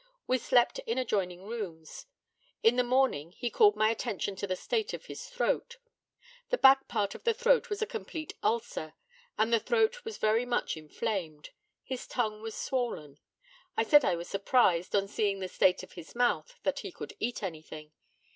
We slept in adjoining rooms. In the morning he called my attention to the state of his throat. The back part of the throat was a complete ulcer, and the throat was very much inflamed. His tongue was swollen. I said I was surprised, on seeing the state of his mouth, that he could eat anything.